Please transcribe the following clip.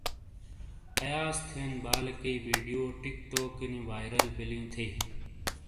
ایاز تھین بالیکئی ویڈیو ٹِک ٹوکینی وائرل بیلی تھئی